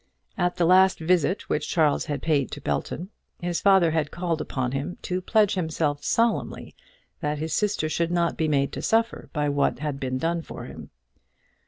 At the last visit which Charles had paid to Belton his father had called upon him to pledge himself solemnly that his sister should not be made to suffer by what had been done for him.